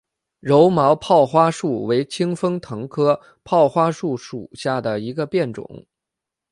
柔毛泡花树为清风藤科泡花树属下的一个变种。